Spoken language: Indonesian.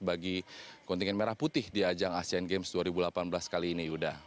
bagi kontingen merah putih di ajang asean games dua ribu delapan belas kali ini yuda